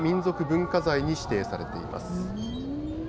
文化財に指定されています。